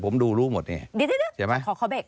ผมดูรู้หมดเนี่ย